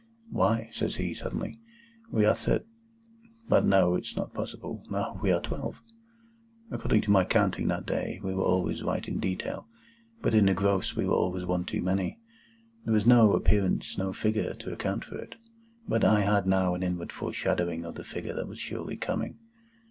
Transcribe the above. "Why," says he, suddenly, "we are Thirt—; but no, it's not possible. No. We are twelve." According to my counting that day, we were always right in detail, but in the gross we were always one too many. There was no appearance—no figure—to account for it; but I had now an inward foreshadowing of the figure that was surely coming.